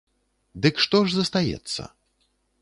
Дык што ж застаецца?